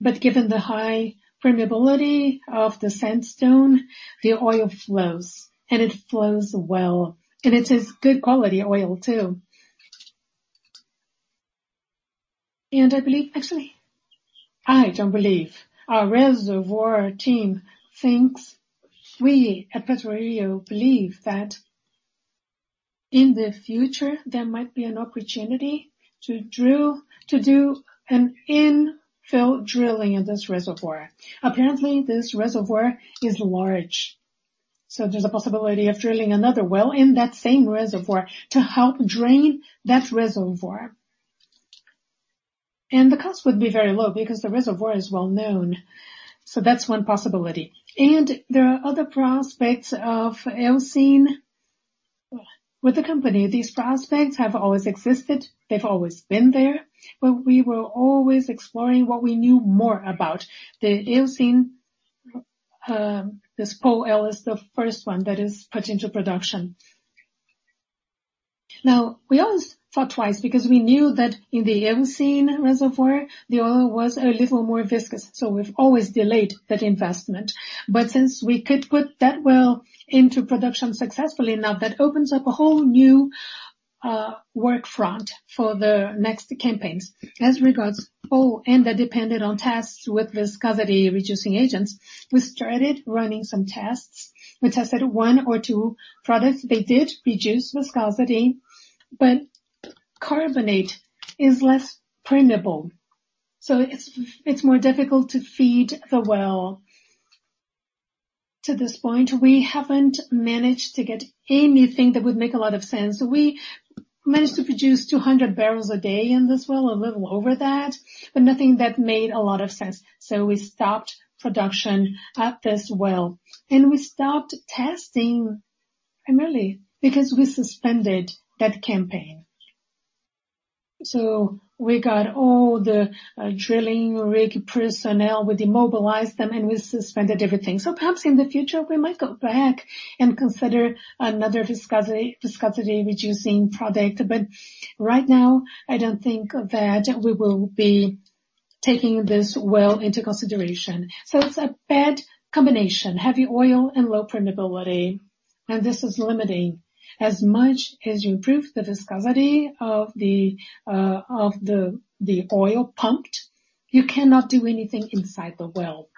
but given the high permeability of the sandstone, the oil flows and it flows well. It is good quality oil too. I believe, actually, I don't believe, our reservoir team thinks we at Prio believe that in the future, there might be an opportunity to do an infill drilling of this reservoir. Apparently, this reservoir is large, so there's a possibility of drilling another well in that same reservoir to help drain that reservoir. The cost would be very low because the reservoir is well-known. That's one possibility. There are other prospects of Eocene with the company. These prospects have always existed. They've always been there, but we were always exploring what we knew more about. The Eocene, this PO well is the first one that is put into production. We always thought twice because we knew that in the Eocene reservoir, the oil was a little more viscous, so we've always delayed that investment. Since we could put that well into production successfully, now that opens up a whole new work front for the next campaigns. As regards Pol N that depended on tests with viscosity-reducing agents, we started running some tests. We tested one or two products. They did reduce viscosity, but carbonate is less permeable, so it's more difficult to feed the well. To this point, we haven't managed to get anything that would make a lot of sense. We managed to produce 200 barrels a day in this well, a little over that, but nothing that made a lot of sense. We stopped production at this well, and we stopped testing primarily because we suspended that campaign. We got all the drilling rig personnel, we demobilized them, and we suspended everything. Perhaps in the future, we might go back and consider another viscosity-reducing product. Right now, I don't think that we will be taking this well into consideration. It's a bad combination, heavy oil and low permeability, and this is limiting. As much as you improve the viscosity of the oil pumped, you cannot do anything inside the well.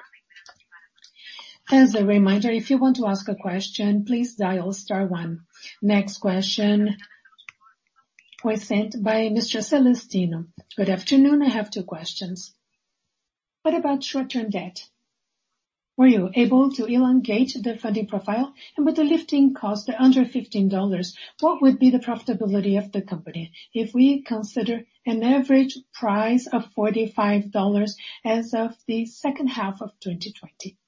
As a reminder, if you want to ask a question, please dial star one. Next question was sent by Mr. Celestino. "Good afternoon, I have two questions. What about short-term debt? Were you able to elongate the funding profile? with the lifting cost at under $15, what would be the profitability of the company if we consider an average price of $45 as of the second half of 2020?"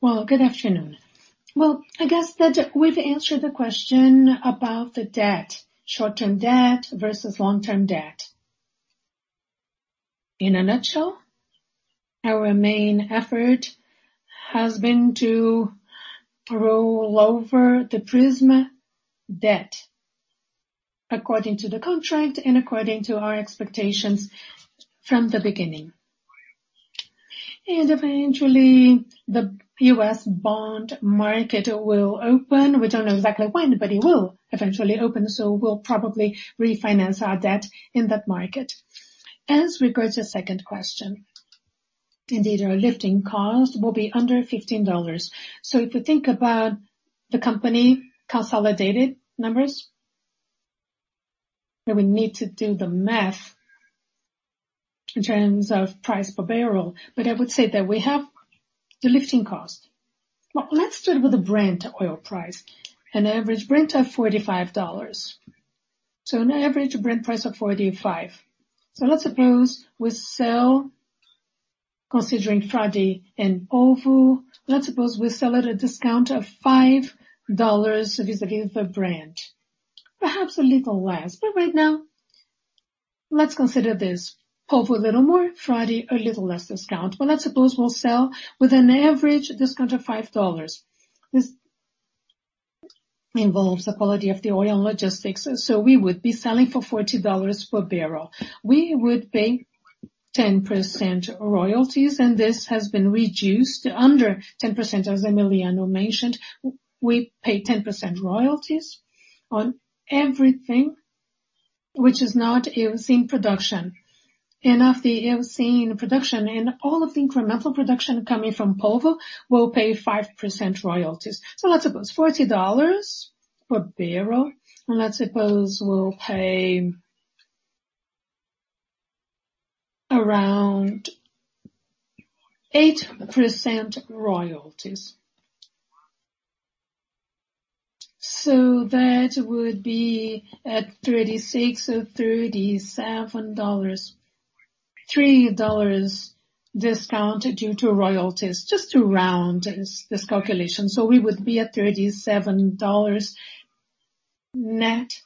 Well, good afternoon. Well, I guess that we've answered the question about the debt, short-term debt versus long-term debt. In a nutshell, our main effort has been to roll over the Prisma debt according to the contract and according to our expectations from the beginning. Eventually, the U.S. bond market will open. We don't know exactly when, but it will eventually open, so we'll probably refinance our debt in that market. As regards to the second question, indeed, our lifting cost will be under $15. If you think about the company consolidated numbers, we need to do the math in terms of price per barrel, I would say that we have the lifting cost. Let's start with the Brent oil price, an average Brent of $45. An average Brent price of $45. Let's suppose we sell, considering Frade and Polvo, let's suppose we sell at a discount of $5 vis-a-vis the Brent, perhaps a little less. Right now, let's consider this, Polvo a little more, Frade a little less discount. Let's suppose we'll sell with an average discount of $5. This involves the quality of the oil logistics. We would be selling for $40 per barrel. We would pay 10% royalties, and this has been reduced to under 10%, as Emiliano mentioned. We pay 10% royalties on everything which is not Eocene production. Of the Eocene production and all of the incremental production coming from Polvo, we'll pay 5% royalties. Let's suppose $40 per barrel, and let's suppose we'll pay around 8% royalties. That would be at $36 or $37. $3 discount due to royalties, just to round this calculation. We would be at $37 net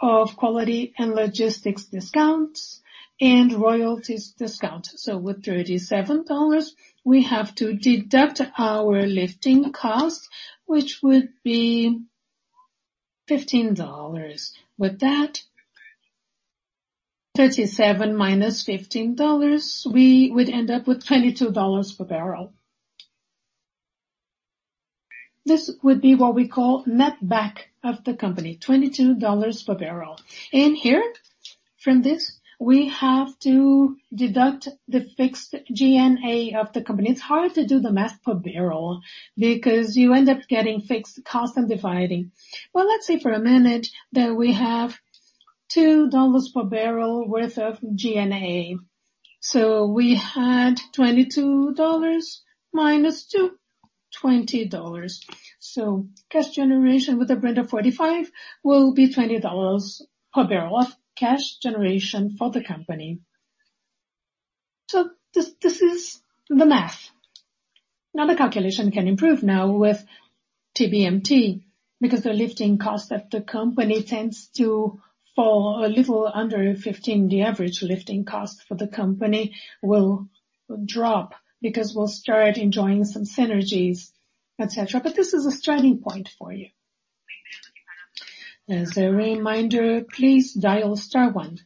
of quality and logistics discounts and royalties discount. With $37, we have to deduct our lifting cost, which would be $15. With that, 37 minus $15, we would end up with $22 per barrel. This would be what we call netback of the company, $22 per barrel. From this, we have to deduct the fixed G&A of the company. It's hard to do the math per barrel because you end up getting fixed cost and dividing. Well, let's say for a minute that we have $2 per barrel worth of G&A. We had $22 minus $2, $20. Cash generation with a Brent of $45 will be $20 per barrel of cash generation for the company. This is the math. Now, the calculation can improve now with TBMT because the lifting cost of the company tends to fall a little under $15. The average lifting cost for the company will drop because we'll start enjoying some synergies, et cetera. This is a starting point for you. As a reminder, please dial star one.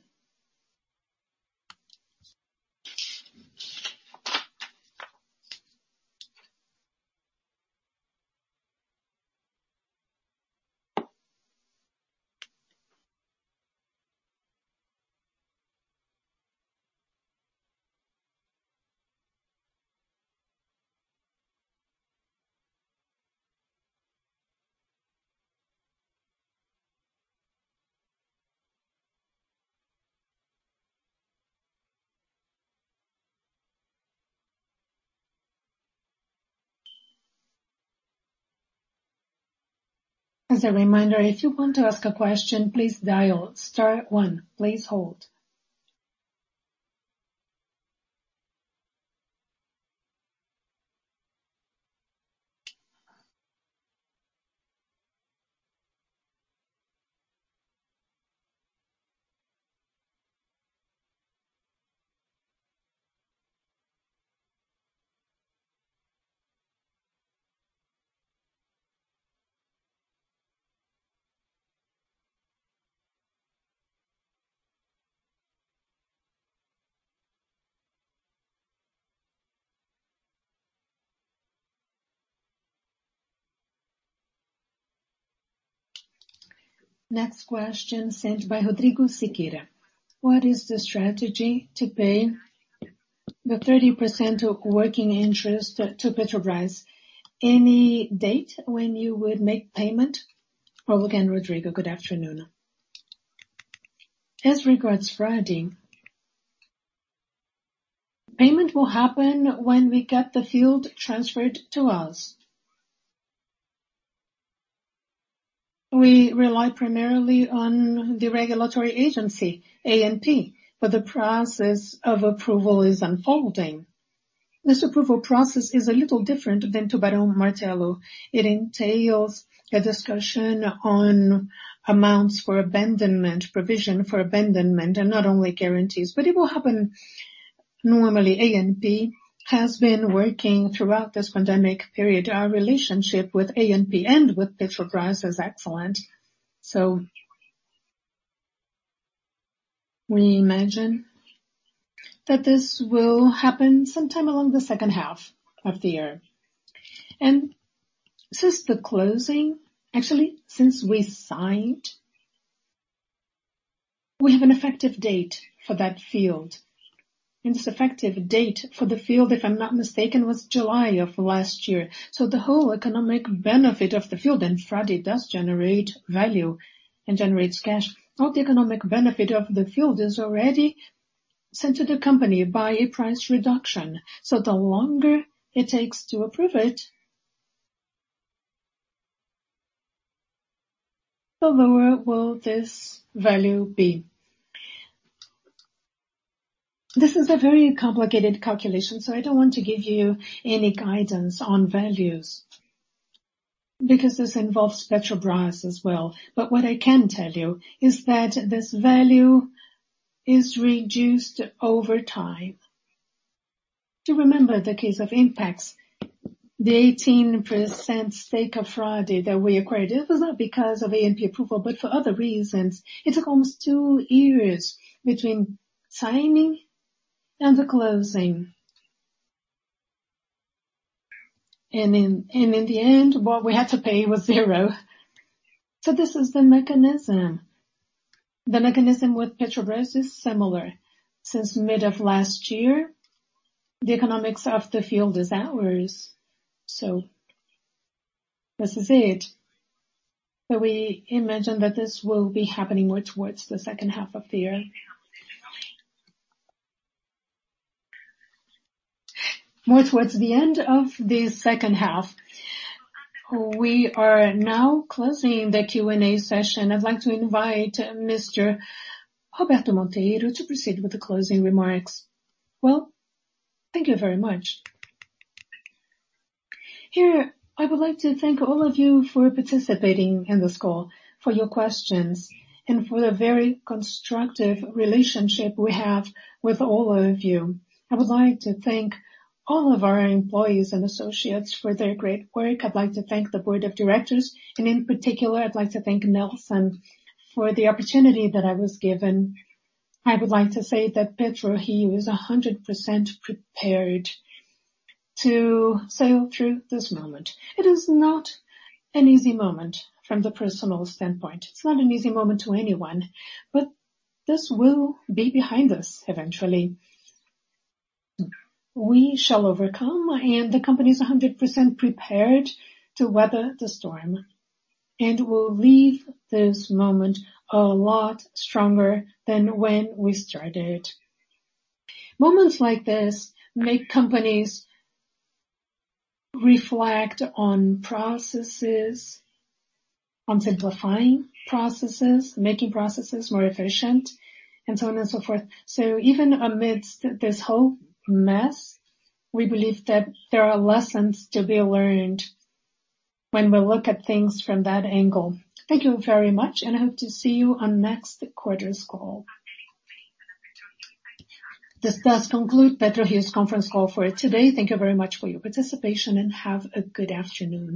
As a reminder, if you want to ask a question, please dial star one. Please hold. Next question sent by Rodrigo Siqueira. "What is the strategy to pay the 30% working interest to Petrobras? Any date when you would make payment?" Hello again, Rodrigo. Good afternoon. As regards Frade, payment will happen when we get the field transferred to us. We rely primarily on the regulatory agency, ANP. The process of approval is unfolding. This approval process is a little different than Tubarão Martelo. It entails a discussion on amounts for abandonment, provision for abandonment, and not only guarantees. It will happen normally. ANP has been working throughout this pandemic period. Our relationship with ANP and with Petrobras is excellent. We imagine that this will happen sometime along the second half of the year. Since the closing, actually, since we signed, we have an effective date for that field. This effective date for the field, if I'm not mistaken, was July of last year. The whole economic benefit of the field, and Frade does generate value and generates cash. All the economic benefit of the field is already sent to the company by a price reduction. The longer it takes to approve it, the lower will this value be. This is a very complicated calculation, so I don't want to give you any guidance on values because this involves Petrobras as well. What I can tell you is that this value is reduced over time. To remember the case of INPEX, the 18% stake of Frade that we acquired, it was not because of ANP approval, but for other reasons. It took almost two years between signing and the closing. In the end, what we had to pay was zero. This is the mechanism. The mechanism with Petrobras is similar. Since mid of last year, the economics of the field is ours, so this is it. We imagine that this will be happening more towards the second half of the year. More towards the end of the second half. We are now closing the Q&A session. I'd like to invite Mr. Roberto Monteiro to proceed with the closing remarks. Well, thank you very much. Here, I would like to thank all of you for participating in this call, for your questions, and for the very constructive relationship we have with all of you. I would like to thank all of our employees and associates for their great work. I'd like to thank the board of directors, and in particular, I'd like to thank Nelson for the opportunity that I was given. I would like to say that PetroRio is 100% prepared to sail through this moment. It is not an easy moment from the personal standpoint. It's not an easy moment to anyone, but this will be behind us eventually. We shall overcome. The company is 100% prepared to weather the storm. We'll leave this moment a lot stronger than when we started. Moments like this make companies reflect on processes, on simplifying processes, making processes more efficient, and so on and so forth. Even amidst this whole mess, we believe that there are lessons to be learned when we look at things from that angle. Thank you very much. I hope to see you on next quarter's call. This does conclude Prio's conference call for today. Thank you very much for your participation. Have a good afternoon.